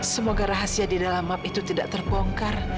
semoga rahasia di dalam map itu tidak terbongkar